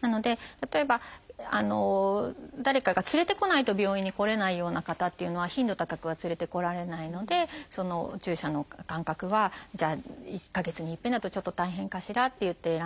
なので例えば誰かが連れてこないと病院に来れないような方っていうのは頻度高くは連れてこられないのでお注射の間隔はじゃあ１か月に一遍だとちょっと大変かしらっていって選んだりとか。